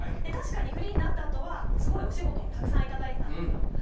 確かにフリーになったあとはすごいお仕事もたくさん頂いてたんですよ。